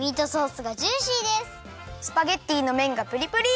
スパゲッティのめんがプリプリ！